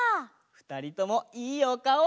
ふたりともいいおかお！